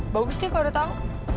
bagus deh kalau lo tau